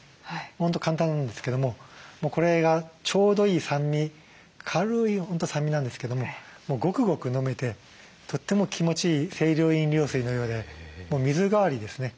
本当簡単なんですけどもこれがちょうどいい酸味軽い本当酸味なんですけどももうごくごく飲めてとっても気持ちいい清涼飲料水のようで水代わりですね。